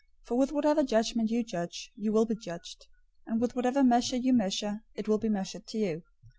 007:002 For with whatever judgment you judge, you will be judged; and with whatever measure you measure, it will be measured to you.